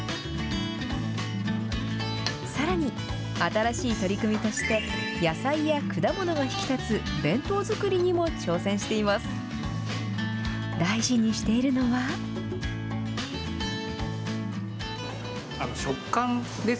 さらに、新しい取り組みとして、野菜や果物が引き立つ弁当作りにも挑戦しています。